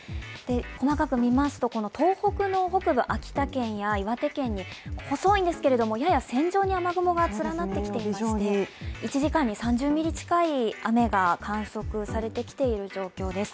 細かく見ますと東北北部、秋田県や岩手県に細いんですけれどもやや線状に雨雲が連なってきていまして１時間に３０ミリ近い雨が観測してきている状況です。